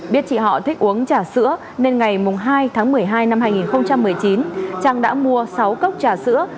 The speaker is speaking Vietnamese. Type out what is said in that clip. biết chị họ thích uống trà sữa nên ngày hai tháng một mươi hai năm hai nghìn một mươi chín trang đã mua sáu cốc trà sữa